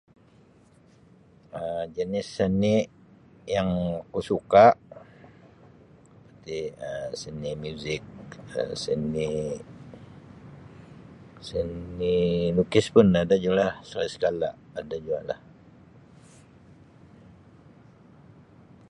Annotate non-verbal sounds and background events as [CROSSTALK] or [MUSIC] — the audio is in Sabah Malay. Um [NOISE] Itu adalah teknologi moden.